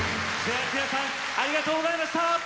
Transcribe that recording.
布施明さんありがとうございました！